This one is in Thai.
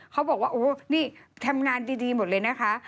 เขาบอกว่าโอ้นี่ทำงานดีหมดเลยนะคะ